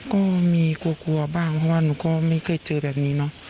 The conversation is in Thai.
ก็มีกลัวกลัวบ้างเพราะว่าหนูก็ไม่เคยเจอแบบนี้เนอะ